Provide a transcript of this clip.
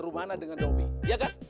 kemana dengan domi ya kan